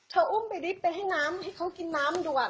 อุ้มไปริบไปให้น้ำให้เขากินน้ำด่วน